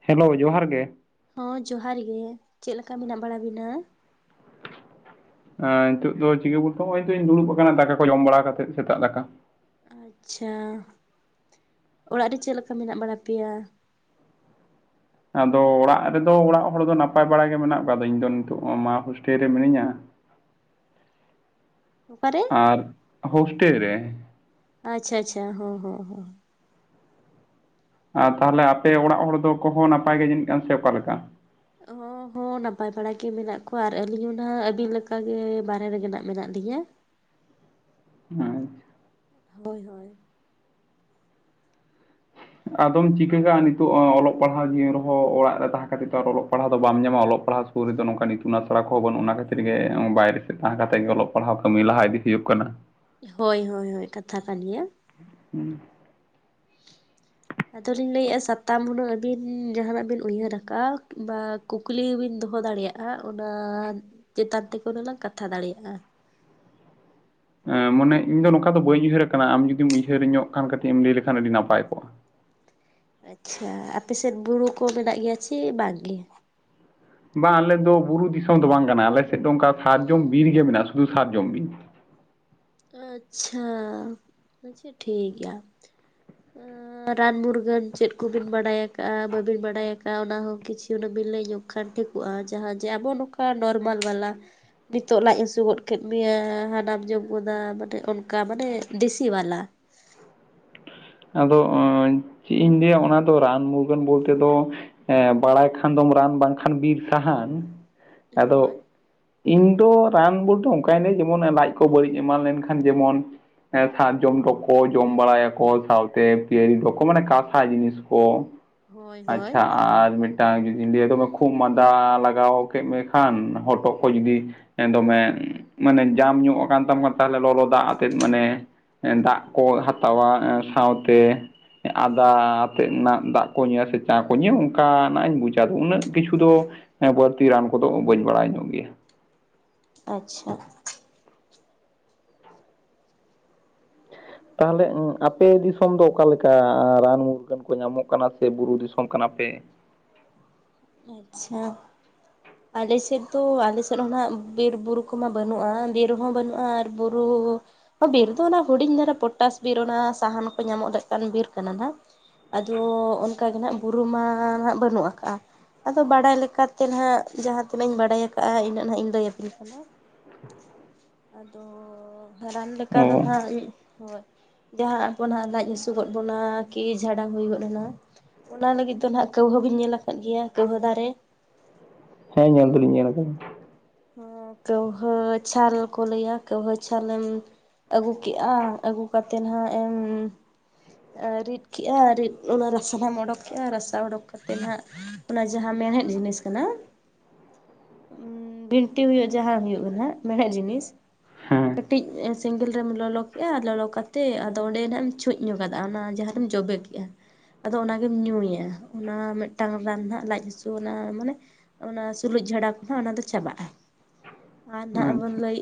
Hello ᱡᱚᱦᱟᱨ ᱜᱮ ᱦᱚᱸ ᱡᱚᱦᱟᱨ ᱜᱮ ᱪᱮᱫ ᱞᱮᱠᱟ ᱢᱮᱱᱟᱜ ᱵᱟᱲᱟ ᱵᱤᱱᱟ? ᱮ ᱱᱤᱛᱳᱜ ᱫᱚ ᱪᱤᱠᱟᱹ ᱵᱚᱞᱛᱮ ᱫᱩᱲᱩᱵ ᱠᱟᱱᱟ ᱫᱟᱠᱟ ᱠᱚ ᱡᱚᱢ ᱵᱟᱲᱟ ᱠᱟᱛᱮᱜ ᱥᱮᱛᱟᱜ ᱫᱟᱠᱟ᱾ ᱟᱪᱪᱷᱟ, ᱚᱲᱟᱜ ᱨᱮ ᱪᱮᱫ ᱞᱮᱠᱟ ᱢᱮᱱᱟᱜ ᱵᱟᱲᱟ ᱯᱮᱭᱟ? ᱟᱫᱚ ᱚᱲᱟᱜ ᱨᱮᱫᱚ ᱚᱲᱟᱜ ᱦᱚᱲ ᱫᱚ ᱱᱟᱯᱟᱭ ᱵᱟᱲᱟ ᱜᱮ ᱢᱮᱱᱟᱜ ᱠᱚᱣᱟ᱾ ᱟᱫᱚ ᱤᱧ ᱫᱚ ᱱᱤᱛᱚᱜ ᱢᱟ ᱦᱳᱥᱴᱮᱞ ᱨᱮ ᱢᱤᱱᱟᱹᱧᱟ᱾ ᱚᱠᱟᱨᱮ? ᱟᱨ, ᱦᱳᱥᱴᱮᱞ ᱨᱮ ᱟᱪᱪᱷᱟᱻ ᱟᱪᱪᱷᱟᱻ ᱦᱚᱻ ᱦᱚᱻ ᱦᱚᱻ᱾ ᱟᱨ ᱛᱟᱦᱟᱞᱮ ᱟᱯᱮ ᱚᱲᱟᱜ ᱦᱚᱲ ᱫᱚ ᱠᱚᱦᱚᱸ ᱱᱟᱯᱟᱭ ᱜᱮ ᱡᱟᱹᱱᱤᱡ ᱠᱟᱱ ᱥᱮ ᱚᱠᱟᱞᱮᱠᱟ? ᱚ ᱦᱚᱸ ᱱᱟᱯᱟᱭ ᱵᱟᱲᱟ ᱜᱮ ᱢᱮᱱᱟᱜ ᱠᱚᱣᱟ ᱟᱨ ᱟᱹᱞᱤᱧ ᱦᱚᱸ ᱱᱟᱦᱟᱜ ᱟᱹᱵᱤᱱ ᱞᱮᱠᱟᱜᱮ ᱵᱟᱨᱦᱮ ᱨᱮᱜᱮ ᱢᱮᱱᱟᱜ ᱞᱤᱧᱟᱹ ᱟᱪᱪᱷᱟ ᱦᱳᱭ ᱦᱳᱭ ᱟᱫᱚᱢ ᱪᱤᱠᱟᱹᱜ ᱠᱟᱜᱼᱟ ᱱᱤᱛᱚᱜ ᱚᱞᱚᱜ ᱯᱟᱲᱦᱟᱣ ᱡᱤᱭᱚᱱ ᱨᱮᱦᱚᱸ ᱚᱲᱟᱜ ᱨᱮ ᱛᱟᱦᱮᱸ ᱠᱷᱟᱹᱛᱤᱨ ᱟᱨ ᱚᱞᱚᱜ ᱯᱟᱲᱦᱟᱣ ᱫᱚ ᱵᱟᱢ ᱧᱟᱢᱟ ᱚᱞᱚᱜ ᱯᱟᱲᱦᱟᱣ ᱥᱩᱨ ᱨᱮᱫᱚ ᱱᱚᱝᱠᱟ ᱤᱛᱩᱱ ᱟᱥᱲᱟ ᱠᱚᱦᱚᱸ ᱵᱟᱹᱱᱩᱜ ᱚᱱᱟ ᱠᱷᱟᱹᱛᱤᱨ ᱜᱮ ᱵᱟᱭᱨᱮ ᱥᱮᱫ ᱛᱟᱦᱮᱸ ᱠᱟᱛᱮ ᱜᱮ ᱚᱞᱚᱜ ᱯᱟᱲᱦᱟᱣ ᱠᱟᱹᱢᱤ ᱞᱟᱦᱟ ᱤᱫᱤ ᱦᱩᱭᱩᱜ ᱠᱟᱱᱟ ᱦᱳᱭ ᱦᱳᱭ ᱦᱳᱭ ᱠᱟᱛᱷᱟ ᱠᱟᱱ ᱜᱮᱭᱟ ᱦᱮᱸ ᱟᱫᱚᱞᱤᱧ ᱞᱟᱹᱭᱮᱫᱼᱟ ᱥᱟᱛᱟᱢ ᱦᱩᱱᱟᱹᱝ ᱟᱹᱵᱤᱱ ᱡᱟᱦᱟᱱᱟᱜ ᱵᱤᱱ ᱩᱭᱦᱟᱹᱨ ᱟᱠᱟᱜᱼᱟ ᱵᱟ ᱠᱩᱠᱞᱤ ᱵᱤᱱ ᱫᱚᱦᱚ ᱫᱟᱲᱮᱭᱟᱜᱼᱟ ᱚᱱᱟ ᱪᱮᱛᱟᱱ ᱛᱮᱠᱚ ᱦᱩᱱᱟᱹᱜ ᱞᱟᱝ ᱠᱟᱛᱷᱟ ᱫᱟᱲᱮᱭᱟᱜᱼᱟ ᱢᱟᱱᱮ ᱤᱧ ᱫᱚ ᱱᱚᱝᱠᱟ ᱫᱚ ᱵᱟᱹᱧ ᱩᱭᱦᱟᱹᱨ ᱟᱠᱟᱱᱟ ᱟᱢ ᱡᱩᱫᱤᱢ ᱩᱭᱦᱟᱹᱨ ᱧᱚᱜ ᱠᱷᱟᱱ ᱠᱟᱹᱴᱤᱡ ᱮᱢ ᱞᱟᱹᱭ ᱞᱮᱠᱷᱟᱱ ᱟᱹᱰᱤ ᱱᱟᱯᱟᱭ ᱠᱚᱜᱼᱟ ᱟᱪᱪᱷᱟ ᱟᱯᱮᱥᱮᱫ ᱵᱩᱨᱩ ᱠᱚ ᱢᱮᱱᱟᱜ ᱜᱮᱭᱟ ᱥᱮ ᱵᱟᱝ ᱜᱮ ᱵᱟᱝ ᱟᱞᱮ ᱫᱚ ᱵᱩᱨᱩ ᱫᱤᱥᱚᱢ ᱫᱚ ᱵᱟᱝ ᱠᱟᱱᱟ ᱞᱮ ᱟᱞᱮ ᱥᱮᱫ ᱫᱚ ᱚᱱᱠᱟ ᱥᱟᱨᱡᱚᱢ ᱵᱤᱨ ᱜᱮ ᱢᱮᱱᱟᱜᱼᱟ ᱥᱩᱫᱷᱩ ᱥᱟᱨᱡᱚᱢ ᱵᱤᱨ ᱟᱪᱪᱷᱟ ᱟᱪᱪᱷᱟ ᱴᱷᱤᱠ ᱜᱮᱭᱟ ᱨᱟᱱ ᱢᱩᱨᱜᱟᱹᱱ ᱪᱮᱫ ᱠᱚᱵᱤᱱ ᱵᱟᱰᱟᱭ ᱟᱠᱟᱜᱼᱟ ᱵᱟᱹᱵᱤᱱ ᱵᱟᱰᱟᱭ ᱟᱠᱟᱜᱼᱟ ᱚᱱᱟ ᱦᱚᱸ ᱠᱤᱪᱷᱩ ᱦᱩᱱᱟᱹᱜ ᱵᱤᱱ ᱞᱟᱹᱭ ᱧᱚᱜ ᱞᱮᱠᱷᱟᱱ ᱴᱷᱤᱠ ᱠᱚᱜᱼᱟ ᱡᱟᱦᱟᱸ ᱡᱮ ᱟᱵᱚ ᱱᱚᱝᱠᱟ ᱱᱚᱨᱢᱟᱞ ᱵᱟᱞᱟ ᱱᱤᱛᱚᱜ ᱞᱟᱡ ᱦᱟᱹᱥᱩ ᱜᱚᱫ ᱠᱮᱫ ᱢᱮᱭᱟ ᱦᱟᱱᱟ ᱡᱚᱢ ᱜᱚᱫᱟ ᱢᱟᱱᱮ ᱚᱱᱠᱟ ᱢᱟᱱᱮ ᱫᱮᱥᱤ ᱵᱟᱞᱟ ᱟᱫᱚ ᱪᱮᱫ ᱤᱧ ᱞᱟᱹᱭᱟ ᱚᱱᱟ ᱫᱚ ᱨᱟᱱ ᱢᱩᱨᱜᱟᱹᱱ ᱵᱚᱞᱛᱮ ᱫᱚ ᱵᱟᱲᱟᱭ ᱠᱷᱟᱱ ᱫᱚᱢ ᱨᱟᱱ ᱵᱟᱝᱠᱷᱟᱱ ᱵᱤᱨ ᱥᱟᱦᱟᱱ ᱟᱫᱚ ᱦᱳᱭ ᱤᱧ ᱫᱚ ᱨᱟᱱ ᱵᱚᱞᱛᱮ ᱫᱚ ᱚᱱᱠᱟ ᱱᱟᱜ ᱡᱮᱢᱚᱱ ᱞᱟᱡ ᱠᱚ ᱵᱟᱹᱲᱤᱡ ᱮᱢᱟᱱ ᱞᱮᱱᱠᱷᱟᱱ ᱡᱮᱢᱚᱱ ᱥᱟᱨᱡᱚᱢ ᱡᱚ ᱠᱚ ᱡᱚᱢ ᱵᱟᱲᱟᱭᱟ ᱠᱚ ᱥᱟᱶᱛᱮ ᱯᱤᱭᱟᱨᱤ ᱠᱚ ᱠᱚ ᱢᱟᱱᱮ ᱠᱟᱥᱟ ᱡᱤᱱᱤᱥ ᱠᱚ ᱦᱳᱭ ᱦᱳᱭ ᱟᱪᱪᱷᱟ ᱟᱨ ᱢᱤᱫ ᱡᱩᱫᱤ ᱞᱟᱹᱭᱟ ᱫᱚᱢᱮ ᱠᱷᱩᱜ ᱢᱟᱸᱫᱟ ᱞᱟᱜᱟᱣ ᱠᱮᱫ ᱢᱮ ᱠᱷᱟᱱ ᱦᱚᱴᱚᱜ ᱠᱚ ᱡᱩᱫᱤ ᱫᱚᱢᱮ ᱢᱟᱱᱮ ᱡᱟᱢ ᱧᱚᱜ ᱟᱠᱟᱱ ᱛᱟᱢᱟ ᱛᱟᱦᱚᱞᱮ ᱞᱚᱞᱚ ᱫᱟᱜ ᱟᱛᱮᱜ ᱢᱟᱱᱮ ᱫᱟᱜ ᱠᱚ ᱦᱟᱛᱟᱣᱟ ᱥᱟᱶᱛᱮ ᱟᱫᱟ ᱟᱛᱮᱫ ᱨᱮᱱᱟᱜ ᱫᱟᱜ ᱠᱚ ᱧᱩᱭᱟ ᱥᱮ ᱪᱟ ᱠᱚ ᱧᱩᱭᱟ ᱚᱱᱠᱟᱱᱟᱜ ᱤᱧ ᱵᱩᱡᱟ ᱩᱱᱟᱹᱜ ᱠᱤᱪᱷᱩ ᱫᱚ ᱦᱮᱸ ᱵᱟᱹᱲᱛᱤ ᱨᱟᱱ ᱠᱚᱫᱚ ᱵᱟᱹᱧ ᱵᱟᱲᱟᱭ ᱧᱚᱜ ᱜᱮᱭᱟ ᱟᱪᱪᱷᱟ ᱛᱟᱦᱚᱞᱮ ᱟᱯᱮ ᱫᱤᱥᱚᱢ ᱫᱚ ᱚᱠᱟᱞᱮᱠᱟ ᱨᱟᱱ ᱢᱩᱨᱜᱟᱹᱱ ᱠᱚ ᱧᱟᱢᱚᱜ ᱠᱟᱱᱟ ᱥᱮ ᱵᱩᱨᱩ ᱫᱤᱥᱚᱢ ᱠᱟᱱᱟ ᱯᱮ ᱟᱪᱪᱷᱟ ᱟᱞᱮᱥᱮᱫ ᱫᱚ ᱟᱞᱮᱥᱮᱫ ᱦᱚᱸ ᱱᱟᱦᱟᱜ ᱵᱤᱨᱵᱩᱨᱩ ᱠᱚᱢᱟ ᱵᱟᱹᱱᱩᱜᱼᱟ ᱵᱤᱨᱦᱚᱸ ᱵᱟᱹᱱᱩᱜᱼᱟ ᱟᱨ ᱵᱩᱨᱩ ᱵᱤᱨ ᱫᱚ ᱚᱱᱟ ᱦᱩᱰᱤᱧ ᱫᱷᱟᱨᱟ ᱯᱚᱴᱟᱥ ᱵᱤᱨ ᱚᱱᱟ ᱥᱟᱦᱟᱱ ᱠᱚ ᱧᱟᱢᱚᱜ ᱞᱮᱠᱟᱱ ᱵᱤᱨ ᱠᱟᱱᱟ ᱱᱟᱦᱟᱜ ᱟᱫᱚ ᱚᱱᱠᱟ ᱜᱮ ᱱᱟᱦᱟᱜ ᱵᱩᱨᱩᱢᱟ ᱱᱟᱦᱟᱜ ᱵᱟᱹᱱᱩᱜ ᱟᱠᱟᱜᱼᱟ ᱟᱫᱚ ᱵᱟᱲᱟᱭ ᱞᱮᱠᱟᱛᱮ ᱱᱟᱦᱟᱜ ᱡᱟᱦᱟᱸ ᱛᱤᱱᱟᱹᱜ ᱤᱧ ᱵᱟᱲᱟᱭ ᱠᱟᱜᱼᱟ ᱤᱱᱟᱹᱜ ᱦᱟᱸᱜ ᱤᱧ ᱞᱟᱹᱭ ᱟᱵᱤᱱ ᱠᱟᱱᱟ ᱟᱫᱚ ᱨᱟᱱ ᱞᱮᱠᱟ ᱫᱚ ᱚ ᱱᱟᱦᱟᱜ ᱦᱳᱭ ᱡᱟᱦᱟᱸ ᱟᱵᱚᱱᱟᱜ ᱞᱟᱡ ᱦᱟᱹᱥᱩ ᱜᱚᱫ ᱵᱚᱱᱟ ᱠᱤ ᱡᱷᱟᱰᱟ ᱦᱩᱭ ᱜᱚᱫ ᱮᱱᱟ ᱚᱱᱟ ᱞᱟᱹᱜᱤᱫ ᱫᱚ ᱦᱟᱜ ᱠᱟᱹᱣᱦᱟᱹ ᱵᱤᱱ ᱧᱮᱞ ᱟᱠᱟᱫ ᱜᱮᱭᱟ ᱠᱟᱹᱣᱦᱟᱹ ᱫᱟᱨᱮ ᱦᱮᱸ ᱧᱮᱞ ᱫᱚᱞᱤᱧ ᱧᱮᱞ ᱟᱠᱟᱫᱟ ᱠᱟᱹᱣᱦᱟᱹ ᱪᱷᱟᱞ ᱠᱚ ᱞᱟᱹᱭᱟ ᱠᱟᱹᱣᱦᱟᱹ ᱪᱷᱟᱞ ᱮᱢ ᱟᱹᱜᱩ ᱠᱮᱜᱼᱟ ᱟᱹᱜᱩ ᱠᱟᱛᱮᱫ ᱦᱟᱜ ᱮᱢ ᱨᱤᱫ ᱠᱮᱫᱮᱜᱼᱟ ᱨᱤᱫᱚᱞ ᱨᱟᱥᱟ ᱮᱢ ᱚᱰᱚᱠ ᱠᱮᱫᱼᱟ ᱨᱟᱥᱟ ᱚᱰᱳᱚᱠ ᱠᱟᱛᱮᱫ ᱱᱟᱦᱟᱜ ᱚᱱᱟ ᱡᱟᱦᱟᱸ ᱢᱮᱬᱦᱮᱫ ᱡᱤᱱᱤᱥ ᱠᱟᱱᱟ᱾ ᱵᱷᱤᱱᱴᱤ ᱦᱩᱭᱩᱜ ᱡᱟᱦᱟᱸ ᱦᱩᱭᱩᱜ ᱠᱟᱱᱟ ᱢᱮᱬᱦᱮᱫ ᱡᱤᱱᱤᱥ ᱦᱮᱸ ᱠᱟᱹᱴᱤᱡ ᱥᱮᱸᱜᱮᱞ ᱨᱮᱢ ᱞᱚᱞᱚ ᱠᱮᱫᱼᱟ ᱞᱚᱞᱚ ᱠᱟᱛᱮᱫ ᱟᱫᱚ ᱚᱸᱰᱮ ᱱᱟᱦᱟᱜ ᱮᱢ ᱪᱷᱩᱪ ᱠᱮᱫᱼᱟ ᱧᱚᱜ ᱠᱟᱫᱟ ᱚᱱᱟ ᱡᱟᱦᱟᱸ ᱨᱮᱢ ᱡᱚᱵᱮ ᱠᱮᱜᱼᱟ ᱟᱫᱚ ᱚᱱᱟᱜᱮᱢ ᱧᱩᱭᱟ ᱚᱱᱟ ᱢᱤᱫᱴᱟᱝ ᱨᱟᱱ ᱦᱟᱜ ᱞᱟᱡ ᱦᱟᱹᱥᱩ ᱚᱱᱟ ᱢᱟᱱᱮ ᱚᱱᱟ ᱥᱩᱞᱩᱡ ᱡᱷᱟᱲᱟ ᱠᱚᱦᱚᱸ ᱚᱱᱟ ᱫᱚ ᱪᱟᱵᱟᱜᱼᱟ ᱟᱨ ᱱᱟᱦᱟᱜ ᱵᱚᱱ ᱟᱪᱪᱷᱟ ᱞᱟᱹᱭ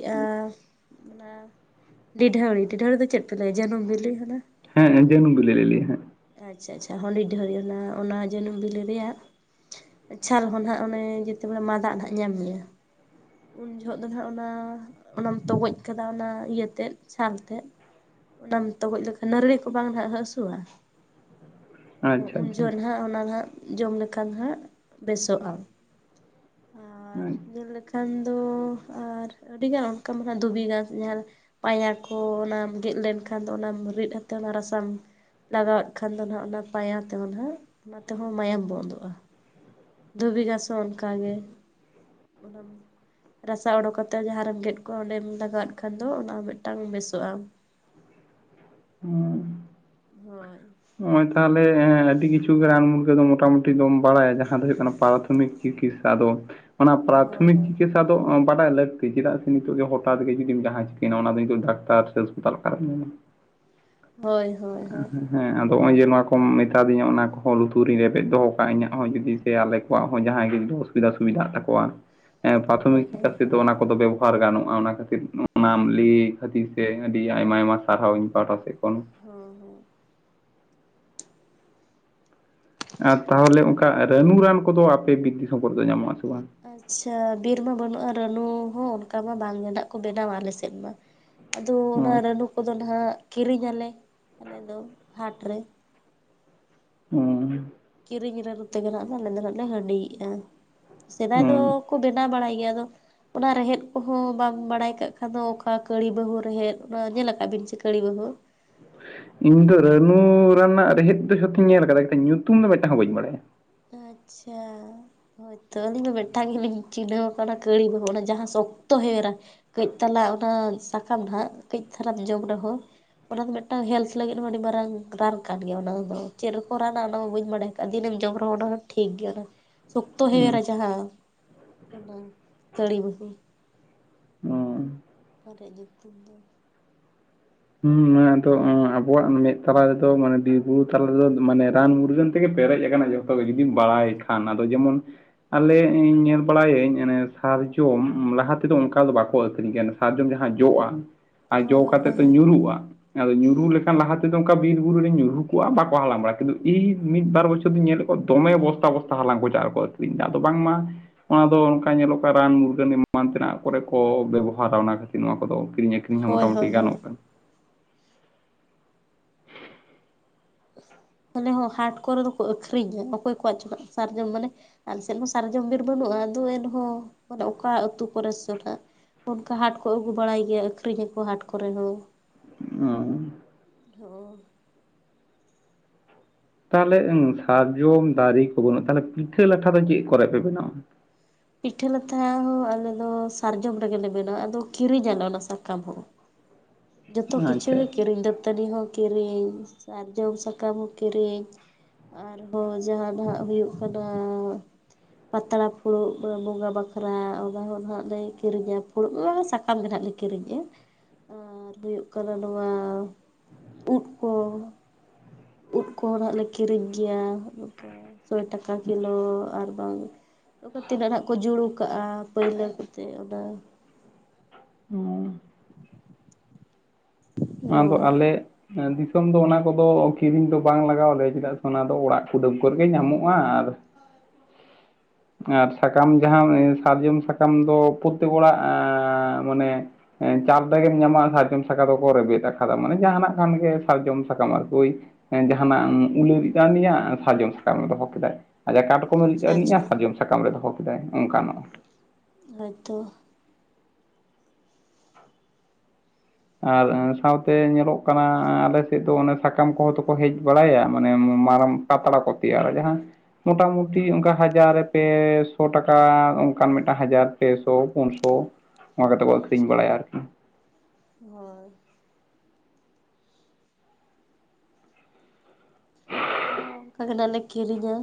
ᱚᱱᱟ ᱰᱤᱰᱷᱟᱹᱣᱲᱤ ᱰᱤᱰᱷᱟᱹᱣᱲᱤ ᱫᱚ ᱪᱮᱫ ᱯᱮ ᱞᱟᱹᱭ ᱟ ᱡᱟᱹᱱᱩᱢ ᱵᱤᱞᱤ ᱦᱟᱱᱟ ᱦᱮᱸ ᱡᱟᱹᱱᱩᱢ ᱵᱤᱞᱤ ᱞᱮ ᱞᱟᱹᱭᱟ ᱦᱮᱸ ᱟᱪᱷᱟ ᱟᱪᱷᱟ ᱦᱚᱰᱤ ᱰᱷᱟᱹᱨ ᱚᱱᱟ ᱚᱱᱟ ᱡᱟᱹᱱᱩᱢ ᱵᱤᱞᱤ ᱨᱮᱭᱟᱜ ᱟᱪᱷᱟ ᱨᱮᱦᱚᱸ ᱟᱸᱜ ᱚᱱᱮ ᱡᱮᱛᱮ ᱵᱮ ᱢᱟ ᱫᱟᱜ ᱦᱜ ᱧᱟᱢ ᱢᱮᱭᱟ ᱩᱱ ᱡᱚᱦᱚᱜ ᱫᱚ ᱦᱱᱟᱜ ᱚᱱᱟ ᱚᱱᱟᱢ ᱛᱚᱜᱚᱡ ᱠᱟᱫᱟ ᱚᱱᱟ ᱤᱭᱟᱹᱛᱮ ᱪᱷᱟᱞ ᱛᱮᱛ ᱚᱱᱟᱢ ᱛᱚᱜᱚᱡ ᱞᱮᱠᱷᱟᱱ ᱱᱟᱹᱲᱨᱤ ᱠᱚ ᱵᱟᱝ ᱱᱟᱜ ᱦᱟᱹᱥᱩᱣᱟ ᱟᱪᱪᱷᱟ ᱩᱱ ᱟᱪᱪᱷᱟ ᱡᱚᱦᱠᱷ ᱦᱟᱸᱜ ᱚᱱᱟ ᱦᱜ ᱡᱚᱢ ᱞᱮᱠᱷᱟᱱ ᱦᱟᱸᱜ ᱵᱮᱥᱚᱜᱼᱟ ᱦᱳᱭ ᱧᱮᱞ ᱞᱮᱠᱷᱟᱱ ᱫᱚ ᱟᱨ ᱟᱹᱰᱤᱜᱟᱱ ᱚᱱᱠᱟ ᱢᱟ ᱫᱷᱩᱵᱤ ᱜᱷᱟᱥ ᱧᱮᱞ ᱯᱟᱭᱟ ᱠᱚ ᱚᱱᱟᱢ ᱜᱮᱫ ᱞᱮᱱᱠᱷᱟᱱ ᱫᱚ ᱚᱱᱟᱢ ᱨᱤᱫ ᱟᱛᱮᱫ ᱚᱱᱟ ᱨᱟᱥᱟᱢ ᱞᱟᱜᱟᱣᱮᱫ ᱠᱷᱟᱱ ᱫᱚ ᱱᱟᱦᱟᱜ ᱚᱱᱟ ᱯᱟᱭᱟ ᱛᱮᱦᱚᱸ ᱱᱟᱦᱟᱜ ᱚᱱᱟ ᱛᱮᱦᱚᱸ ᱢᱟᱭᱟᱢ ᱵᱚᱱᱫᱚᱜᱼᱟ᱾ ᱫᱷᱩᱵᱤ ᱜᱟᱥ ᱦᱚ ᱚᱱᱠᱟᱜ ᱜᱮ ᱚᱱᱟ ᱨᱟᱥᱟ ᱚᱰᱳᱠ ᱠᱟᱛᱮ ᱡᱟᱦᱟᱸ ᱨᱮᱢ ᱜᱮᱫ ᱠᱚᱜᱼᱟ ᱚᱸᱰᱮᱢ ᱞᱟᱜᱟᱣᱫ ᱠᱷᱟᱱ ᱫᱚ ᱚᱱᱟ ᱢᱤᱫᱴᱟᱝ ᱵᱮᱥᱚᱜᱼᱟ᱾ ᱦᱳᱭ ᱱᱚᱜᱼᱚᱭ ᱛᱟᱦᱚᱞᱮ ᱟᱹᱰᱤ ᱠᱤᱪᱷᱩ ᱜᱮ ᱨᱟᱱ ᱢᱩᱨᱜᱟᱹᱱ ᱫᱚ ᱢᱚᱴᱟᱢᱩᱴᱤ ᱫᱚᱢ ᱵᱟᱲᱟᱭᱟ ᱡᱟᱦᱟᱸ ᱫᱚ ᱦᱩᱭᱩᱜ ᱠᱟᱱᱟ ᱯᱟᱨᱛᱷᱚᱢᱤᱠ ᱪᱤᱠᱤᱛᱥᱟ ᱫᱚ ᱚᱱᱟ ᱦᱳᱭ ᱯᱨᱟᱛᱷᱚᱢᱤᱠ ᱦᱳᱭ ᱪᱤᱠᱤᱥ ᱪᱥᱟ ᱫᱚ ᱵᱟᱰᱟᱭ ᱞᱟᱹᱠᱛᱤ ᱪᱮᱫᱟᱜ ᱥᱮ ᱱᱤᱛᱚᱜᱜᱦᱚᱴᱟᱛ ᱜᱮ ᱡᱫᱤᱢ ᱡᱟᱦᱟᱸ ᱪᱤᱠᱟᱹᱭᱱᱟ ᱚᱱᱟ ᱫᱚ ᱱᱤᱛᱚᱜ ᱰᱟᱠᱛᱟᱨ ᱥᱮ ᱦᱟᱥᱯᱟᱛᱟᱞ ᱚᱠᱟᱨᱮᱢ ᱧᱟᱢᱟ ᱦᱮᱸ [inaudible] ᱦᱳᱭ ᱦᱳᱭ ᱦᱳᱭ ᱦᱮᱸ ᱟᱫᱚ ᱱᱚᱜᱼᱚᱭ ᱡᱮ ᱱᱚᱣᱟ ᱠᱚᱢ ᱢᱮᱛᱟᱫᱤᱧᱟ ᱚᱱᱟ ᱠᱚᱦᱚᱸ ᱞᱩᱛᱩᱨᱤᱧ ᱨᱮᱵᱮᱫ ᱫᱚᱦ ᱠᱟᱜ ᱤᱧᱟᱹᱜ ᱦᱚᱸ ᱡᱩᱫᱤ ᱥᱮ ᱟᱞᱮ ᱠᱚᱣᱟᱜ ᱦᱚᱸ ᱡᱟᱦᱟᱸᱭ ᱜᱮ ᱫᱚᱥ ᱥᱩᱵᱤᱫᱟ ᱥᱩᱵᱤᱫᱷᱟᱜ ᱛᱟᱠᱚᱣᱟ ᱦᱳᱭ ᱯᱨᱟᱛᱷᱚᱢᱤᱠ ᱦᱳᱭ ᱪᱤᱠ ᱚᱱᱟ ᱠᱚᱫᱚ ᱵᱮ ᱷᱟᱨ ᱜᱟᱱᱚᱜᱼᱟ ᱚᱱᱟ ᱠᱷᱟᱹᱛᱤᱨ ᱚᱱᱟᱢ ᱞᱟᱹᱭ ᱠᱷᱟᱹᱛᱤᱨ ᱥᱮ ᱟᱹᱰᱤ ᱟᱭᱢᱟ ᱟᱭᱢᱟ ᱥᱟᱨᱦᱟᱣᱤᱧ ᱯᱟᱦᱴᱟ ᱥᱮᱫ ᱠᱷᱚᱱ ᱦᱮᱸ ᱦᱮᱸ ᱟᱨ ᱛᱟᱦᱚᱞᱮ ᱚᱱᱠᱟ ᱨᱟᱱᱩ ᱨᱟᱱ ᱠᱚᱫᱚ ᱟᱯᱮ ᱵᱤᱫᱽᱫ ᱥᱚᱢᱯᱚᱨ ᱫᱚ ᱧᱟᱢᱚᱜ ᱟᱥᱮ ᱵᱟᱝ ᱟᱪᱷᱟ ᱵᱤᱨ ᱢᱟ ᱵᱟᱹᱱᱩᱜᱼᱟ ᱨᱟᱱᱩ ᱦᱚᱸ ᱚᱱᱠᱟ ᱢᱟ ᱵᱟᱝ ᱜᱮ ᱦᱟᱸ ᱠᱚ ᱵᱮᱱᱟᱣᱟ ᱟᱞᱮ ᱥᱮᱫ ᱢᱟ ᱟᱫᱚ ᱚᱱᱟ ᱦᱚᱸ ᱨᱟᱱᱩ ᱠᱚᱫᱚ ᱱᱟᱦᱟᱜ ᱠᱤᱨᱤᱧ ᱟᱞᱮ ᱟᱞᱮ ᱫᱚ ᱦᱟᱴ ᱨᱮ ᱦᱩᱸ ᱠᱤᱨᱤᱧ ᱨᱟᱱᱩᱩ ᱛᱮᱜᱮ ᱟᱜ ᱫᱚ ᱟᱞᱮ ᱫᱚ ᱟᱜ ᱞᱮ ᱦᱺᱰᱤᱭᱮᱫᱼᱟ ᱥᱮᱫᱟᱭ ᱫᱚ ᱦᱚᱸ ᱠᱚ ᱵᱮᱱᱟ ᱵᱟᱲᱟᱭ ᱜᱮᱭᱟ ᱫᱚ ᱚᱱᱟ ᱨᱮᱦᱮᱫ ᱠᱚᱦᱚᱸ ᱵᱟᱢ ᱵᱟᱲᱟᱭ ᱠᱟᱜ ᱠᱷᱟᱱ ᱫᱚ ᱚᱠᱟ ᱠᱟᱲᱤ ᱵᱟᱹᱦᱩ ᱨᱮᱦᱮᱫ ᱚᱱᱟ ᱧᱮᱞ ᱟᱠᱟᱫ ᱵᱤᱱ ᱥᱮ ᱠᱟᱹᱲᱤ ᱵᱟᱹᱦᱩ ᱤᱧ ᱫᱚ ᱨᱟᱱᱩ ᱨᱮᱱᱟᱜ ᱨᱮᱦᱮᱫ ᱫᱚ ᱡᱷᱚᱛᱚᱧ ᱧᱮᱞ ᱟᱠᱟᱫᱟ ᱧᱩᱛᱩᱢ ᱫᱚ ᱢᱤᱫᱴᱟᱝ ᱦᱚᱸ ᱵᱟᱹᱧ ᱵᱟᱲᱟᱭᱟ ᱟᱪᱷᱟ ᱦᱳᱭᱛᱳ ᱟᱹᱞᱤᱧ ᱫᱚ ᱢᱤᱫᱴᱟᱝ ᱜᱮᱞᱤᱧ ᱪᱤᱱᱦᱟᱹᱣ ᱟᱠᱟᱱᱟ ᱠᱟᱹᱲᱤ ᱵᱟᱹ ᱚᱱᱟ ᱡᱟᱦᱟᱸ ᱥᱚᱠᱛᱚ ᱦᱮᱣᱨᱟ᱾ ᱠᱟᱹᱡ ᱛᱟᱞᱟ ᱚᱱᱟ ᱥᱟᱠᱟᱢ ᱦᱟᱸᱜ ᱠᱟᱹᱡ ᱛᱟᱨᱟᱢ ᱡᱚᱢ ᱨᱮᱦᱚᱸ ᱚᱱᱟ ᱫᱚ ᱢᱤᱫᱴᱟᱝ ᱦᱮᱞᱛᱷ ᱞᱟᱹᱜᱤᱫ ᱢᱟ ᱟᱹᱰᱤ ᱢᱟᱨᱟᱝ ᱨᱟᱱ ᱠᱟᱱ ᱜᱮᱭᱟ ᱚᱱᱟ ᱫᱚ ᱪᱮᱫ ᱨᱮᱠᱚ ᱨᱟᱱᱼᱟ ᱚᱱᱟ ᱫᱚ ᱵᱟᱹ ᱵᱟᱲᱟᱭ ᱟᱠᱟᱫᱟᱼᱟ ᱫᱤᱱᱮᱢ ᱡᱚᱢ ᱚᱱᱟ ᱦᱚᱸ ᱴᱷᱤᱠ ᱜᱮᱭᱟ ᱚᱱᱟ ᱥᱚᱠᱛ ᱦᱩᱸ ᱦᱮᱣᱨᱟ ᱡᱟᱦᱟ ᱚᱱᱟ ᱛᱟᱹᱲᱤ ᱵᱟᱦᱩ ᱦᱸ ᱟᱨᱮᱡ ᱧᱩᱛᱩᱢ ᱫᱚ ᱦᱮᱸ ᱟᱫᱚ ᱟᱵᱚᱣᱟᱜ ᱢᱮᱫ ᱛᱟᱞᱟ ᱨᱮᱫᱚ ᱢᱟᱱᱮ ᱵᱤᱨ ᱵᱩᱨᱩ ᱛᱟᱞᱟ ᱨᱮᱫᱚ ᱢᱟᱱᱮ ᱨᱟᱱ ᱢᱩᱨᱜᱟᱹᱱ ᱛᱮᱜᱮ ᱯᱮᱨᱮᱡ ᱟᱠᱟᱱᱟ ᱡᱚᱛᱚᱜ ᱡᱩᱫᱤᱢ ᱵᱟᱲᱟᱭ ᱠᱷᱟᱱ ᱟᱫᱚ ᱡᱮᱢᱚᱱ ᱟᱞᱮ ᱤ ᱧᱮᱞ ᱵᱟᱲᱟᱭᱟᱹᱧ ᱥᱟᱨᱡᱚᱢ ᱞᱟᱦᱟ ᱛᱮᱫᱚ ᱚᱱᱠᱟ ᱫᱚ ᱵᱟᱠᱚ ᱟᱹᱷᱨᱤᱧ ᱠᱟᱱᱟ ᱥᱟᱨᱡᱚᱢ ᱡᱟᱦᱟᱸ ᱡᱚᱜᱼᱟ ᱟᱨ ᱦᱳᱭ ᱡᱚ ᱦᱳᱭ ᱠᱟᱛᱮ ᱛ ᱦᱳᱭ ᱧᱩᱨᱩᱜᱼᱟ ᱟᱫᱚ ᱧᱩᱨᱩ ᱞᱮᱠᱷᱟᱱ ᱞᱟᱦᱟ ᱛᱮᱫᱚ ᱚᱱᱠᱟ ᱵᱤᱨ ᱵᱩᱨᱩ ᱨᱧ ᱧᱩᱨᱩ ᱠᱚᱜᱼᱟ ᱵᱟᱠᱚ ᱦᱟᱞᱟᱝ ᱵᱟᱲᱟ ᱠᱤᱱᱛᱩ ᱤᱧ ᱢᱤᱫ ᱵᱟᱨ ᱵᱚᱪᱷᱚᱨ ᱫᱚᱧ ᱧᱮᱞᱮᱫ ᱠᱚᱣᱟ ᱫᱚᱢᱮ ᱵᱚᱥᱛᱟ ᱵᱚᱥᱛᱟ ᱦᱟᱞᱟᱝ ᱠᱚ ᱪᱟᱜ ᱟᱨ ᱠᱚ ᱟᱹᱠᱷᱨᱤᱧᱫᱟ ᱟᱫᱚ ᱵᱟᱝᱢᱟ ᱚᱱᱟ ᱫᱚ ᱚᱱᱠᱟ ᱧᱮᱞᱚᱜ ᱠᱟᱱᱟ ᱨᱟᱱ ᱢᱩᱨᱜᱟᱹᱱ ᱮᱢᱟᱱ ᱛᱮᱱᱟᱜ ᱠᱚᱨᱮ ᱠᱚ ᱵᱮᱵᱚᱦᱟᱨᱟ ᱚᱱᱟ ᱠᱷᱟᱹᱛᱤᱨ ᱱᱚᱣᱟ ᱠᱚᱫᱚ ᱠᱤᱨᱤᱧ ᱟᱹᱨᱤ ᱟᱠᱨᱤᱧ ᱦᱚᱸ ᱦᱳᱭ ᱢᱚᱴᱟᱢ ᱢᱩᱴᱤ ᱦᱳᱭ ᱦᱳᱭ ᱜᱟᱱᱚᱜ ᱠᱟᱱᱟ ᱟᱞᱮ ᱦᱚᱸ ᱦᱟᱴ ᱠᱚᱨᱮ ᱫᱚᱠᱚ ᱟᱹᱠᱷᱨᱤᱧᱟ ᱚᱠᱚᱭ ᱠᱚᱣᱟᱜ ᱪᱮᱫ ᱥᱟᱨᱡᱚᱢ ᱢᱟᱱᱮ ᱟᱞᱮ ᱥᱮᱫ ᱦᱚᱸ ᱥᱟᱨᱡᱚᱢ ᱵᱤᱨ ᱵᱟᱹᱱᱩᱜᱼᱟ ᱟᱫ ᱮᱱᱦᱚᱸ ᱢᱟᱱᱮ ᱚᱠᱟ ᱟᱹᱛᱩ ᱠᱚᱨᱮ ᱥ ᱦᱟᱜ ᱚᱱᱠᱟ ᱦᱟᱴ ᱠᱚ ᱟᱹᱜᱩ ᱵᱟᱲᱟᱭ ᱜᱮᱭᱟ ᱟᱠᱷᱨᱤᱧ ᱟᱠᱚ ᱦᱟᱴ ᱠᱚᱨᱮ ᱦᱚᱸ ᱚ ᱦᱚ ᱛᱟᱦᱚᱞᱮ ᱥᱟᱨᱡᱚᱢ ᱫᱟᱨᱮ ᱠᱚ ᱵᱟᱹᱱᱩᱜᱼᱟ ᱛᱟᱦᱚᱞᱮ ᱯᱤᱴᱷᱟᱹ ᱞᱟᱴᱷᱟ ᱫᱚ ᱪᱮᱫ ᱠᱚᱨᱮ ᱯᱮ ᱵᱮᱱᱟᱣᱟ ᱯᱤᱴᱷᱟᱹ ᱞᱟᱛᱷᱟ ᱦᱚᱸ ᱟᱞᱮ ᱫᱚ ᱥᱟᱨᱡᱚᱢ ᱨᱮᱜᱮᱞᱮ ᱵᱮᱱᱟᱣᱟ ᱟᱫᱚ ᱠᱤᱨᱤᱧᱟᱞᱮ ᱚᱱᱟ ᱥᱟᱠᱟᱢ ᱦᱚᱸ ᱡᱚᱛᱚ ᱠᱤᱪᱷᱩ ᱜᱮ ᱟᱪᱪᱷᱟ ᱠᱤᱨᱤᱧ ᱫᱚ ᱛᱟᱹᱱᱤ ᱦᱚᱸ ᱠᱤᱨᱤᱧ ᱥᱟᱨᱡᱚᱢ ᱥᱟᱠᱟᱢ ᱦᱚᱸ ᱠᱤᱨᱤᱧ ᱟᱨᱦᱚᱸ ᱡᱟᱦᱟ ᱫᱚ ᱦᱟᱜ ᱦᱩᱭᱩᱜ ᱠᱟᱱᱟ ᱯᱟᱛᱲᱟ ᱯᱷᱩᱲᱩᱜ ᱵᱚᱸᱜᱟ ᱵᱟᱠᱷᱨᱟ ᱚᱱᱟᱦᱚ ᱱᱟᱦᱟᱜᱞᱮ ᱠᱤᱨᱤᱧᱟ ᱯᱷᱩᱲᱩᱜ ᱥᱟᱠᱟᱢ ᱜᱮ ᱱᱟᱦᱟᱜ ᱞᱮ ᱠᱤᱨᱤᱧᱮᱫᱼᱟ ᱟᱨ ᱦᱩᱭᱩᱜ ᱠᱟᱱᱟ ᱱᱚᱣᱟ ᱩᱫ ᱠᱚ ᱩᱫ ᱠᱚᱦᱚᱸ ᱦᱜ ᱞᱮ ᱠᱤᱨᱤᱧ ᱜᱮᱭᱟ ᱱᱚᱝᱠᱟ ᱥᱚᱭ ᱴᱟᱠᱟ ᱠᱤᱞᱳ ᱟᱨ ᱵᱟᱝ ᱚᱠᱟ ᱛᱤᱱᱟᱹᱜ ᱟᱜ ᱠᱚ ᱡᱩᱲᱩ ᱠᱟᱜᱼᱟ ᱯᱟᱹᱭᱞᱟᱹ ᱠᱚᱛᱮ ᱚᱱᱟ ᱦᱸ ᱟᱫᱚ ᱦᱳᱭ ᱟᱞᱮ ᱫᱤᱥᱚᱢ ᱫᱚ ᱚᱱᱟ ᱠᱚᱫᱚ ᱠᱤᱨᱤᱧ ᱫᱚ ᱵᱟᱝ ᱞᱟᱜᱟᱣ ᱞᱮᱭᱟ ᱪᱮᱫᱟᱜ ᱥᱮ ᱚᱱᱟ ᱫᱚ ᱚᱲᱟᱜ ᱠᱩ ᱰᱟᱹᱢ ᱠᱚ ᱨᱮᱜᱮ ᱧᱟᱢᱚᱜᱼᱟ ᱟᱨ ᱦᱚᱭ ᱟᱨ ᱥᱟᱠᱟᱢ ᱡᱟᱦᱟᱸ ᱥᱟᱨᱡᱚᱢ ᱥᱟᱠᱟᱢ ᱫᱚ ᱯᱨᱚᱛᱮᱠ ᱚᱲᱟᱜ ᱢᱟᱱᱮ ᱮ ᱪᱟ ᱛᱮᱜᱮᱢ ᱧᱟᱢᱟ ᱥᱟᱨᱡᱚᱢ ᱥᱟᱠᱟ ᱫᱚ ᱯᱚᱨᱮᱵᱮᱫ ᱟᱠᱟᱫᱟ ᱢᱟᱱᱮ ᱡᱟᱦᱟᱱᱟᱜ ᱠᱷᱟᱱ ᱜᱮ ᱥᱟᱨᱡᱚᱢ ᱥᱟᱠᱟᱢ ᱟᱨᱠᱤ ᱳᱭ ᱡᱟᱦᱟᱱᱟᱜ ᱩᱞᱮ ᱨᱤᱫ ᱟᱠᱟᱱᱤᱜᱼᱟ ᱥᱟᱨᱡᱚᱢ ᱥᱟᱠᱟᱢ ᱫᱚᱦᱚ ᱠᱮᱫᱟᱭ ᱟᱡᱟ ᱠᱟᱴᱠᱚᱢᱮ ᱨᱤᱫ ᱟᱪᱪᱷᱟ ᱟᱱᱤᱡᱟ ᱟᱪᱪᱷᱟ ᱥᱟᱨᱡᱚᱢ ᱥᱟᱠᱟᱢ ᱨᱮ ᱫᱚᱦᱚ ᱠᱮᱫᱟᱭ ᱚᱱᱠᱟᱱᱚᱜᱼᱟ ᱦᱳᱭᱛᱳ ᱟᱨ ᱥᱟᱶᱛᱮ ᱧᱮᱞᱚᱜ ᱠᱟᱱᱟ ᱟᱞᱮ ᱥᱮᱫ ᱫᱚ ᱚᱱᱮ ᱥᱟᱠᱟᱢ ᱠᱚᱦᱚᱸ ᱫᱚᱠᱚ ᱦᱮᱡ ᱵᱟᱲᱟᱭᱟ ᱢᱟᱱᱮ ᱢᱟᱨᱟᱝ ᱯᱟᱛᱲᱟ ᱠᱚ ᱛᱮᱭᱟᱨᱟ ᱡᱟᱦᱟᱸ ᱢᱚᱴᱟ ᱢᱩᱴᱤ ᱚᱱᱠᱟ ᱦᱟᱡᱟᱨ ᱨᱮ ᱯᱮ ᱥᱚ ᱴᱟᱠᱟ ᱚᱱᱠᱟᱱ ᱢᱮᱴᱟᱝ ᱦᱟᱡᱟᱨ ᱯᱮᱥᱚ ᱯᱩᱱ ᱥᱚ ᱚᱱᱠᱟ ᱠᱟᱛᱮ ᱠᱚ ᱟᱹᱠᱷᱨᱤᱧ ᱟᱪᱪᱷᱟ ᱵᱟᱲᱟᱭᱟ ᱟᱨᱠᱤ ᱦᱳᱭ ᱟᱞᱮ ᱚᱱᱠᱟ ᱜᱮ ᱱᱟᱜ ᱞᱮ ᱠᱤᱨᱤᱧᱟ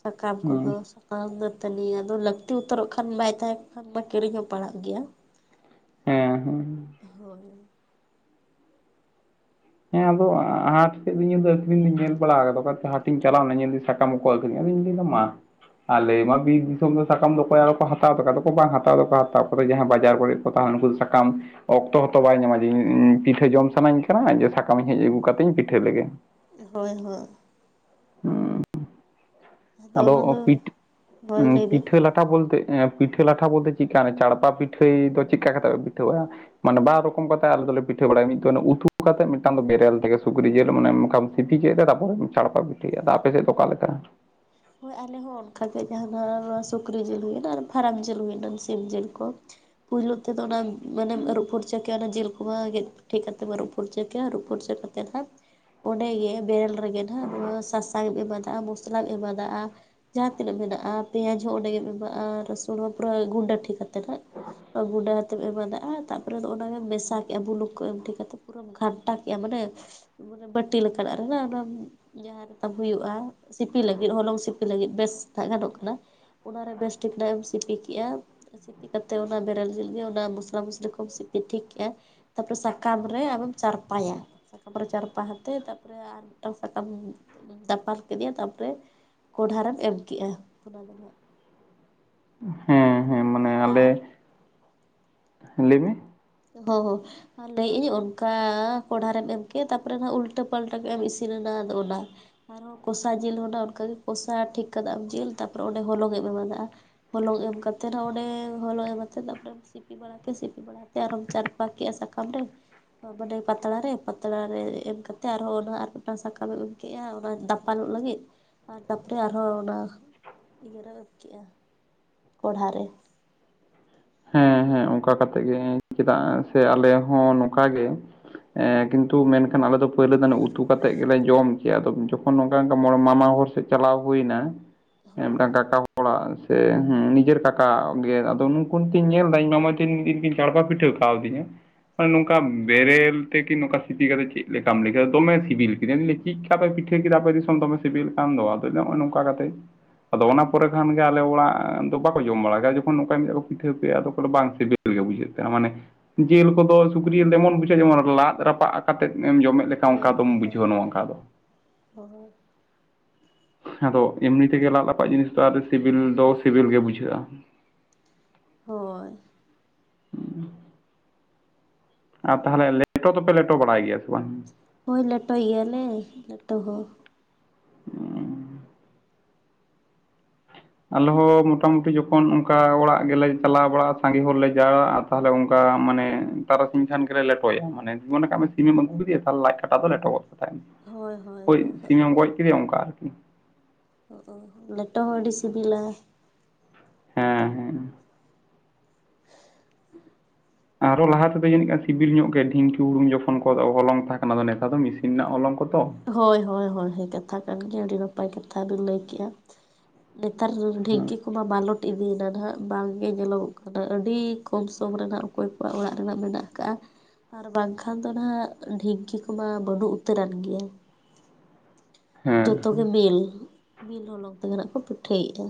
ᱥᱟᱠᱟᱢ ᱦᱮᱸ ᱠᱚᱫᱚ ᱵᱟᱝ ᱫᱚᱛᱟᱹᱱᱤ ᱟᱫᱚ ᱞᱟᱹᱠᱛᱤ ᱩᱛᱟᱹᱨᱚᱜ ᱠᱷᱟᱱ ᱵᱟᱭ ᱛᱟᱦᱮᱸ ᱠᱷᱟᱱ ᱢᱟ ᱠᱤᱨᱤᱧ ᱦᱚᱸ ᱯᱟᱲᱟᱜ ᱜᱮᱭᱟ ᱦᱮᱸ ᱦᱮᱸ ᱦᱳᱭ ᱦᱮᱸ ᱟᱫᱚ ᱦᱟᱴ ᱥᱮᱫ ᱫᱩᱧ ᱧᱮᱞ ᱫᱟ ᱟᱹᱠᱷᱨᱤᱧ ᱫᱩᱧ ᱧᱮᱞ ᱵᱟᱲᱟ ᱟᱠᱟᱫᱟ ᱦᱟᱴᱤᱧ ᱪᱟᱞᱟᱣ ᱧᱮᱱᱟ ᱥᱟᱞᱟᱢ ᱠᱚᱠᱚ ᱟᱠᱷᱨᱤᱧ ᱫᱟ ᱟᱫᱩᱧ ᱞᱟᱭᱫᱟ ᱢᱟ ᱟᱞᱮ ᱢᱟ ᱵᱤᱨ ᱫᱤᱥᱚᱢ ᱨᱮ ᱥᱟᱠᱟᱢ ᱫᱚ ᱚᱠᱚᱭ ᱟᱨᱚ ᱠᱚ ᱦᱟᱛᱟᱣ ᱛᱟᱠᱚᱣᱟ ᱟᱫᱚᱠᱚ ᱵᱟᱝ ᱦᱟᱛᱟᱣ ᱫᱚᱠᱚ ᱦᱟᱛᱟᱣ ᱠᱚᱫᱚ ᱡᱟᱦᱟᱸ ᱵᱟᱡᱟᱨ ᱠᱚᱨᱮᱫ ᱱᱩᱠᱩ ᱫᱚ ᱥᱟᱠᱟᱢ ᱚᱠᱛᱚ ᱦᱚᱸᱛᱚ ᱵᱟᱭ ᱧᱟᱢᱟ ᱡᱮ ᱤᱧ ᱯᱤᱴᱷᱟᱹ ᱡᱚᱢ ᱥᱟᱱᱟᱧ ᱠᱟᱱᱟ ᱥᱟᱠᱟᱢᱧ ᱦᱮᱡ ᱟᱹᱜᱩ ᱠᱟᱛᱮᱧ ᱯᱤᱴᱷᱟᱹ ᱞᱮᱜᱮ ᱦᱳᱭ ᱦᱳᱭ ᱚᱱᱟ ᱫᱚ ᱟᱫᱚ ᱯᱤᱴ ᱦᱳᱭ ᱞᱟᱹᱭ ᱵᱤᱱ ᱯᱤᱴᱷᱟᱹ ᱞᱟ ᱯᱤᱴᱷᱟᱹ ᱞᱟᱴᱷᱟ ᱵᱚᱞᱛᱮ ᱪᱤᱠᱟ ᱪᱟᱲᱯᱟ ᱯᱤᱴᱷᱟᱹᱭ ᱫᱚ ᱪᱮᱫ ᱞᱮᱠᱟ ᱠᱟ ᱠᱟᱛᱮ ᱯᱮ ᱯᱤᱴᱷᱟᱹᱣᱟ ᱢᱟᱱᱮ ᱵᱟᱨ ᱨᱚᱠᱚᱢ ᱠᱟᱛᱮ ᱟᱞᱮ ᱫᱚᱞᱮ ᱯᱤᱴᱷᱟᱹ ᱵᱟᱲᱟᱭᱟ ᱢᱤᱫ ᱫᱚ ᱩᱛᱩ ᱠᱟᱛᱮ ᱢᱤᱫᱴᱟᱝ ᱫᱚ ᱵᱮᱨᱮᱞ ᱛᱮᱜᱮ ᱥᱩᱠᱨᱤ ᱡᱤᱞ ᱢᱟᱱᱮᱢ ᱥᱤᱯᱤ ᱠᱮᱫ ᱛᱮ ᱛᱟᱯᱚᱨᱮᱢ ᱪᱷᱟᱲᱯᱟ ᱯᱤᱴᱷᱟᱹᱭᱟ ᱟᱫᱚ ᱟᱯᱮ ᱥᱮᱫ ᱫᱚ ᱚᱠᱟ ᱞᱮᱠᱟ ᱦᱳᱭ ᱟᱞᱮ ᱦᱚᱸᱚᱸ ᱚᱱᱠᱟᱜᱮ ᱡᱟᱦᱟ ᱱᱚᱣᱟ ᱥᱩᱠᱨᱤ ᱡᱤᱞ ᱦᱩᱭᱱᱟ ᱟᱨ ᱯᱷᱟᱨᱟᱠ ᱡᱤᱞ ᱦᱩᱭᱱᱟ ᱥᱤᱢ ᱡᱤᱞ ᱠᱚ ᱯᱩᱭᱭᱞᱩ ᱛᱮᱫᱚ ᱚᱱᱟ ᱢᱟᱱᱮᱢ ᱟᱹᱨᱩᱵ ᱯᱷᱩᱨ ᱪ ᱠᱮᱭᱟ ᱚᱱᱟ ᱡᱤᱞ ᱠᱚᱢᱟ ᱜᱮᱫ ᱴᱷ ᱠᱟᱛᱮᱫ ᱟᱨᱩᱵ ᱯᱷᱟᱨᱪᱟ ᱠᱮᱭᱟ ᱟᱨᱩᱯ ᱯᱷᱩᱨᱪᱟᱹ ᱠᱟᱛᱮᱫ ᱦᱟᱸᱜ ᱚᱸᱰᱮᱜᱮ ᱵᱮᱨᱮᱞ ᱨᱮᱜᱮ ᱦᱟᱸᱜ ᱱᱚᱣᱟ ᱥᱟᱥᱟᱝᱢ ᱮᱢᱟᱫᱟ ᱢᱚᱥᱞᱟᱢ ᱮᱢᱟᱫᱟᱼᱟ ᱡᱟᱦᱟᱸ ᱛᱤᱱᱟᱹᱜ ᱢᱮᱱᱟᱜᱼᱟ ᱯᱮᱸᱭᱟᱡᱽ ᱦᱚᱸ ᱚᱸᱰᱮᱜᱢ ᱮᱢᱟᱜᱼᱟ ᱨᱟᱹᱥᱩᱱ ᱦᱚᱸ ᱯᱩᱨᱟᱹ ᱜᱩᱸᱰᱟᱹ ᱴᱷᱤᱠ ᱠᱟᱛᱮ ᱦ ᱜᱩᱸᱰᱟ ᱦᱟᱛᱮᱢ ᱮᱢᱟᱫᱟᱼᱟ ᱛᱟᱯᱚᱨᱮ ᱫᱚ ᱚᱱᱟᱜᱮᱢ ᱢᱮᱥᱟ ᱠᱮᱜᱼᱟ ᱵᱩᱞᱩᱠ ᱠᱚ ᱮᱢ ᱴᱷᱤᱠ ᱠᱟᱛᱮ ᱯᱩᱨᱟᱹᱟᱢ ᱜᱷᱟᱱᱴᱟ ᱠᱭᱟ ᱢᱟᱱᱮ ᱢᱟᱱᱮ ᱵᱟᱴᱤ ᱞᱮᱠᱟᱱᱟᱜ ᱨᱮ ᱚᱱᱟ ᱡᱟᱦᱟᱸ ᱛᱟᱢ ᱦᱩᱭᱩᱜᱼᱟ ᱥᱤᱯᱤ ᱞᱟᱹᱜᱤᱫ ᱢᱤᱫ ᱦᱚᱞᱚᱝ ᱥᱤᱯᱤ ᱞᱟᱹᱜᱤᱫ ᱵᱮᱥ ᱫᱟᱜ ᱜᱟᱱᱚᱜ ᱠᱟᱱᱟ ᱚᱱᱟᱨᱮ ᱵᱮᱥ ᱴᱷᱤᱠ ᱱᱟᱜ ᱮᱢ ᱥᱤᱯᱤ ᱠᱮᱜᱼᱟ ᱥᱤᱯᱤ ᱠᱟᱛᱮᱫ ᱚᱱᱟ ᱵᱮᱨᱮᱞ ᱡᱤᱞ ᱜᱮ ᱚᱱᱟ ᱢᱚᱥᱞᱟ ᱢᱚᱥᱞᱤ ᱠᱚᱢ ᱥᱤᱯᱤ ᱴᱷᱤᱠ ᱠᱮᱜᱼᱟ ᱛᱟᱯᱚᱨᱮ ᱥᱟᱠᱟᱢ ᱨᱮ ᱟᱫᱚᱢ ᱪᱟᱨᱯᱟᱭᱟ ᱥᱟᱠᱟᱢ ᱨᱮ ᱪᱟᱨᱯᱟ ᱟᱛᱮ ᱛᱟᱨᱯᱚᱨᱮ ᱟᱨ ᱢᱤᱫᱴᱟᱝ ᱥᱟᱠᱟᱢ ᱫᱟᱯᱟᱞ ᱠᱮᱫᱮᱭᱟ ᱛᱟᱨᱯᱚᱨᱮ ᱠᱚᱰᱷᱟ ᱨᱮᱢ ᱮᱢ ᱠᱮᱜᱼᱟ ᱚᱱᱟ ᱫᱚ ᱦᱟᱜ ᱦᱮᱸ ᱦᱮᱸ ᱚᱱᱠᱟ ᱢᱟᱱᱮ ᱟᱞᱮ ᱟᱨ ᱞᱟᱹᱭ ᱢᱮ ᱦᱚᱸ ᱦᱚᱸ ᱟᱨ ᱞᱟᱹᱭᱮᱫ ᱟᱹᱧ ᱚᱱᱠᱟ ᱠᱚᱲᱦᱟᱨᱮᱢ ᱮᱢ ᱠᱮᱫ ᱛᱟᱨᱯᱚᱨᱮ ᱦᱟᱸᱜ ᱩᱞᱴᱟᱹ ᱯᱟᱞᱴᱟᱹ ᱠᱮᱫ ᱮᱢ ᱤᱥᱤᱱ ᱮᱱᱟ ᱟᱫᱚ ᱚᱱᱟ ᱟᱨᱚᱸ ᱠᱚᱥᱟ ᱡᱤᱞ ᱦᱚᱸ ᱚᱱᱠᱟᱜᱮ ᱠᱚᱥᱟ ᱴᱷᱤᱠ ᱠᱟᱫᱟᱢ ᱡᱤᱞ ᱛᱟᱨᱯᱚᱨᱮ ᱚᱸᱰᱮ ᱦᱚᱞᱚᱝᱮᱢ ᱮᱢᱟ ᱟᱫᱟ ᱦᱚᱞᱚᱝ ᱮᱢ ᱠᱟᱛᱮᱫ ᱚᱸᱰᱮ ᱦᱚᱞᱚᱝ ᱮᱢ ᱠᱟᱛᱮᱫ ᱛᱟᱨᱯᱚᱨᱮ ᱥᱤᱯᱤ ᱵᱟᱲᱟ ᱠᱮᱫᱮ ᱥᱤᱯᱤ ᱵᱟᱲᱟ ᱟᱨᱚᱢ ᱪᱟᱨᱯᱟ ᱠᱮᱜᱼᱟ ᱥᱟᱠᱟᱢ ᱨᱮ ᱢᱟᱱᱮ ᱯᱟᱛᱲᱟ ᱨᱮ ᱯᱟᱛᱲᱟ ᱨᱮ ᱮᱢ ᱠᱟᱛᱮ ᱟᱨᱦᱚᱸ ᱚᱱᱟ ᱟᱨ ᱢᱮᱫᱴᱟᱝ ᱥᱟᱠᱟᱢ ᱨᱮ ᱮᱢ ᱠᱮᱜ-ᱟ ᱚᱱᱟ ᱫᱟᱯᱟᱞᱚᱜ ᱞᱟᱹᱜᱤᱫ ᱟᱨ ᱛᱟᱯᱚᱨᱮ ᱟᱨᱦᱚᱸ ᱚᱱᱟ ᱤᱭᱟᱹᱨᱮ ᱠᱮᱜ-ᱟ ᱠᱚᱲᱦᱟ ᱨᱮ ᱦᱮᱸ ᱦᱮᱸ ᱚᱱᱠᱟ ᱠᱟᱛᱮᱫ ᱜᱮ ᱪᱮᱫᱟᱜ ᱥᱮ ᱟᱞᱮ ᱦᱚᱸ ᱱᱚᱝᱠᱟ ᱜᱮ ᱮᱸ ᱠᱤᱱᱛᱩ ᱢᱮᱱᱠᱷᱟᱱ ᱟᱞᱮ ᱫᱚ ᱯᱳᱭᱞᱳ ᱫᱚᱞᱮ ᱩᱛᱩ ᱠᱟᱛᱮᱜ ᱜᱮᱞᱮ ᱡᱚᱢ ᱠᱮᱜᱼᱟ ᱟᱫᱚ ᱡᱚᱠᱷᱚᱱ ᱱᱚᱝᱠᱟ ᱢᱚᱬᱮ ᱢᱟᱢᱟ ᱦᱚᱲ ᱥᱮᱫ ᱪᱟᱞᱟᱣ ᱦᱩᱭᱱᱟ ᱮᱸ ᱦᱳᱭ ᱢᱤᱫᱴᱟᱝ ᱠᱟᱠᱟ ᱦᱚᱲᱟᱜ ᱥᱮ ᱱᱤᱡᱮᱨ ᱠᱟᱠᱟ ᱜᱮ ᱟᱫᱚ ᱛᱩᱞ ᱛᱤᱧ ᱧᱮᱞ ᱮᱫᱟ ᱤᱧ ᱢᱟᱢᱟᱠᱤᱱ ᱤᱧᱠᱤᱱ ᱪᱟᱲᱯᱟ ᱯᱤᱴᱷᱟᱹ ᱠᱟᱣᱫᱤᱧᱟ ᱱᱚᱝᱠᱟ ᱵᱮᱨᱮᱞ ᱛᱮ ᱠᱤ ᱱᱚᱝᱠᱟ ᱥᱤᱯᱤ ᱠᱟᱛᱮ ᱪᱮᱫ ᱞᱮᱠᱟᱢ ᱞᱟᱹᱭ ᱠᱮᱫᱟ ᱫᱚᱢᱮ ᱥᱤᱵᱤᱞ ᱠᱮᱫᱤᱧᱼᱟ ᱪᱤᱫᱠᱟ ᱫᱚᱢ ᱯᱮ ᱯᱤᱴᱷᱟᱹ ᱠᱮᱫᱟ ᱯᱮ ᱫᱤᱥᱚᱢ ᱫᱚᱢᱮ ᱥᱤᱵᱤᱞ ᱠᱟᱱᱟ ᱫᱚ ᱟᱫᱚ ᱱᱚᱜᱼᱚᱭ ᱱᱚᱝᱠᱟ ᱠᱟᱛᱮ ᱟᱫᱚ ᱚᱱᱟ ᱯᱚᱨᱮ ᱠᱷᱟᱱ ᱜᱮ ᱟᱞᱮ ᱚᱲᱟᱜ ᱫᱚ ᱵᱟᱠᱚ ᱡᱚᱢ ᱵᱟᱲᱟ ᱜᱮᱭᱟ ᱡᱚᱠᱷᱚᱱ ᱱᱚᱝᱠᱟ ᱧᱚᱜ ᱠᱚ ᱯᱦᱤᱴᱟᱹ ᱠᱮᱭᱟ ᱠᱚ ᱵᱟᱝ ᱥᱤᱵᱤᱞ ᱜᱮ ᱵᱩᱡᱟᱹᱜ ᱜᱟᱱ ᱢᱟᱱᱮ ᱡᱤᱞ ᱠᱚᱫᱚ ᱥᱩᱠᱨᱤ ᱡᱮᱢᱚᱱ ᱵᱩᱡᱷᱟᱹᱜᱼᱟ ᱡᱮᱢᱚᱱ ᱞᱟᱫ ᱨᱟᱯᱟᱜ ᱠᱟᱛᱮᱫ ᱮᱢ ᱡᱚᱢᱮᱫ ᱞᱮᱠᱟᱱ ᱦᱳᱭ ᱚᱱᱠᱟ ᱫᱚᱢ ᱦᱳᱭ ᱦᱳᱭ ᱵᱩᱡᱷᱟᱹᱣᱟ ᱱᱚᱣᱟ ᱚᱱᱠᱟ ᱫᱚ ᱦᱳᱭ ᱟᱫᱚ ᱮᱢᱱᱤ ᱛᱮᱜᱮ ᱞᱟᱫ ᱨᱟᱯᱟᱜ ᱡᱤᱱᱤᱥ ᱫᱚ ᱥᱤᱵᱤᱞ ᱫᱚ ᱥᱤᱵᱤᱞ ᱜᱮ ᱵᱩᱡᱷᱟᱹᱜᱼᱟ ᱦᱳᱭ ᱩᱸ [inaudible] ᱟᱨ ᱛᱟᱦᱚᱞᱮ ᱞᱮᱴᱚ ᱫᱚᱯᱮ ᱞᱮᱴᱚ ᱵᱟᱲᱟᱭ ᱜᱮᱭᱟ ᱥᱮ ᱵᱟᱝ? ᱦᱳᱭ ᱞᱮᱴᱚᱭ ᱜᱮᱭᱟᱞᱮ ᱞᱮᱴᱚ ᱦᱚᱸ ᱟᱞᱮ ᱦᱚᱸ ᱢᱚᱴᱟᱢᱩᱴᱤ ᱡᱚᱠᱷᱚᱱ ᱚᱱᱠᱟ ᱚᱲᱟᱜ ᱜᱮᱞᱮ ᱪᱟᱞᱟᱣ ᱵᱟᱲᱟᱜᱼᱟ ᱥᱟᱸᱜᱮ ᱦᱚᱲ ᱞᱮ ᱪᱟᱜᱼᱟ ᱛᱟᱦᱚᱞᱮ ᱚᱱᱠᱟ ᱢᱟᱱᱮ ᱛᱟᱨᱥᱤᱧ ᱠᱷᱟᱱ ᱜᱮᱞᱮ ᱞᱮᱴᱚᱭᱟ ᱢᱮ ᱡᱤᱢᱚᱱ ᱠᱟᱜ ᱢᱮ ᱥᱤᱢ ᱟᱹᱜᱩ ᱠᱮᱫᱤᱭᱟ ᱛᱟᱦᱚᱞᱮ ᱞᱟᱡ ᱠᱟᱴᱟ ᱫᱚ ᱞᱮᱴᱚᱜᱼᱟ ᱦᱳᱭ ᱥᱤᱢ ᱮᱢ ᱜᱚᱡ ᱠᱮᱫᱮᱭᱟ ᱚᱱᱠᱟ ᱞᱮᱴᱚ ᱦᱚᱸ ᱟᱹᱰᱤ ᱥᱤᱵᱤᱞᱟ ᱦᱮᱸ ᱦᱮᱸ ᱟᱨᱚ ᱞᱟᱦᱟ ᱛᱮᱫᱚ ᱡᱟᱹᱱᱤᱡ ᱠᱷᱟᱱ ᱥᱤᱵᱤᱞ ᱧᱚᱜ ᱜᱮ ᱰᱷᱤᱝᱠᱤ ᱦᱩᱲᱩᱝ ᱡᱚᱠᱷᱚᱱ ᱦᱚᱞᱚᱝ ᱛᱟᱦᱮᱸ ᱠᱟᱱᱟ ᱟᱫᱚ ᱱᱮᱛᱟᱨ ᱫᱚ ᱢᱤᱥᱤᱱ ᱨᱮᱱᱟᱜ ᱦᱚᱞᱚᱝ ᱠᱚᱛᱚ ᱦᱳᱭ ᱦᱳᱭ ᱦᱳᱭ ᱠᱟᱛᱷᱟ ᱠᱟᱱ ᱜᱮᱭᱟ ᱟᱹᱰᱤ ᱱᱟᱯᱟᱭ ᱠᱟᱛᱷᱟ ᱵᱤᱱ ᱞᱟᱹᱭ ᱠᱮᱜᱼᱟ ᱱᱮᱛᱟᱨ ᱦᱮᱸ ᱰᱷᱤᱝᱠᱤ ᱠᱚᱢᱟ ᱵᱟᱱᱚᱜ ᱰᱷᱤᱝᱠᱤ ᱭᱟᱱᱟ ᱱᱟᱦᱟᱜ ᱵᱟᱝᱜᱮ ᱧᱮᱞᱚᱜᱚᱜ ᱠᱟᱱᱟ ᱟᱹᱰᱤ ᱠᱚᱢ ᱥᱚᱢ ᱨᱮ ᱚᱠᱚᱭ ᱠᱚᱣᱟᱜ ᱚᱲᱟᱜ ᱨᱮᱱᱟᱜ ᱢᱮᱱᱟᱜ ᱟᱠᱟᱜᱼᱟ ᱟᱨ ᱵᱟᱝᱠᱷᱟᱱ ᱫᱚ ᱱᱟᱦᱟᱜ ᱰᱷᱤᱝᱠᱤ ᱠᱚᱢᱟ ᱵᱟᱹᱱᱩᱜ ᱩᱛᱟᱹᱨᱟᱱ ᱜᱮᱭᱟ ᱦᱮᱸ ᱡᱚᱛᱚ ᱜᱮ ᱢᱤᱞ ᱢᱤᱞ ᱦᱚᱞᱚᱝ ᱛᱮᱜᱮ ᱟᱸᱱᱟᱜ ᱠᱚ ᱯᱤᱴᱷᱟᱹᱭᱮᱫᱼᱟ